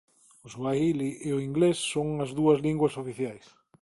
O suahili e o inglés son as dúas linguas oficiais.